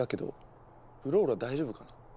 フローラ大丈夫かな。